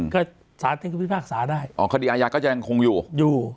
ก็สารท่านก็พิพากษาได้อ๋อคดีอาญาก็จะยังคงอยู่อยู่